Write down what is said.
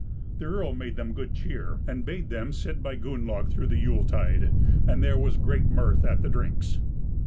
The earl made them good cheer, and bade them sit by Gunnlaug through the Yule tide; and there was great mirth at drinks.